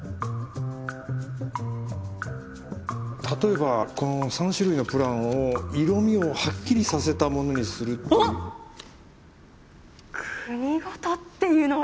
例えばこの３種類のプランを色味をはっきりさせたものにするっていう。